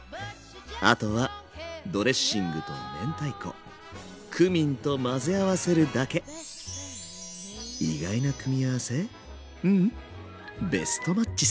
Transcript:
あとはドレッシングと明太子クミンと混ぜ合わせるだけいただきます！